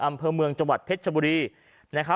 อำเภอเมืองจังหวัดเพชรชบุรี